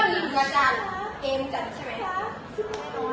มันไม่ได้ถึงเมื่อกี้